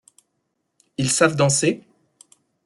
Ils savent danser ?